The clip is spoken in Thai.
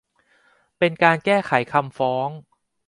เป็นการแก้ไขคำฟ้อง